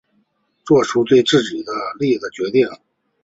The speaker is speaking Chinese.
做出对自己有利的决定